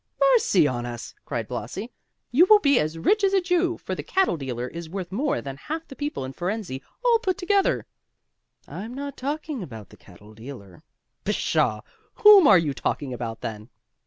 "Mercy on us!" cried Blasi. "You will be as rich as a Jew, for the cattle dealer is worth more than half the people in Fohrensee, all put together." "I'm not talking about the cattle dealer." "Pshaw! whom are you talking about then?"